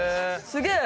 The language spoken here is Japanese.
すげえ！